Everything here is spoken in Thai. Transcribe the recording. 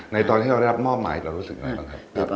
ตอนที่เราได้รับมอบหมายเรารู้สึกไงบ้างครับ